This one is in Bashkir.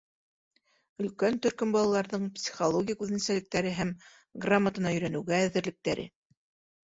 Өлкән төркөм балаларҙың психологик үҙенсәлектәре һәм грамотаны өйрәнеүгә әҙерлектәре.